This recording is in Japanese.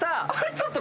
ちょっと。